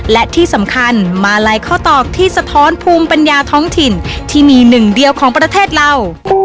และที่สำคัญมาลัยข้อตอกที่สะท้อนภูมิปัญญาท้องถิ่นที่มีหนึ่งเดียวของประเทศเรา